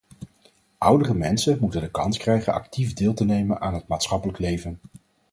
Oudere mensen moeten de kans krijgen actief deel te nemen aan het maatschappelijk leven.